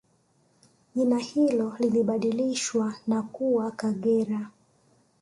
Jina hilo lilibadilishwa na kuwa Kagera